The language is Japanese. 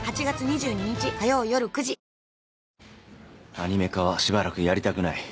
アニメ化はしばらくやりたくない